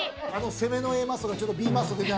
攻めのＡマッソがＢマッソ的な。